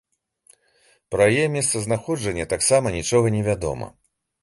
Пра яе месцазнаходжанне таксама нічога не вядома.